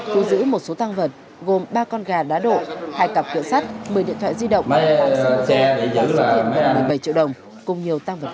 cứu giữ một số tăng vật gồm ba con gà đá đổ hai cặp cửa sắt một mươi điện thoại di động